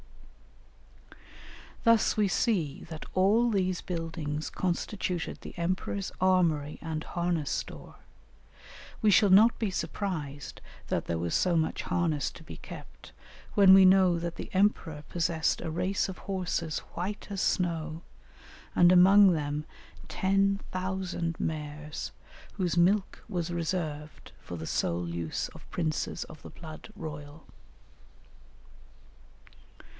] Thus we see that all these buildings constituted the emperor's armoury and harness store; we shall not be surprised that there was so much harness to be kept when we know that the emperor possessed a race of horses white as snow, and among them ten thousand mares, whose milk was reserved for the sole use of princes of the blood royal. [Illustration: The Emperor's palace at Pekin.